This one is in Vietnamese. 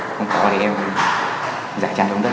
không có thì em giải chăn đúng đơn